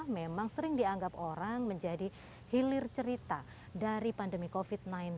memang sering dianggap orang menjadi hilir cerita dari pandemi covid sembilan belas